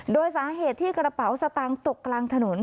โดยสาเหตุที่กระเป๋าสตางค์ตกกลางถนน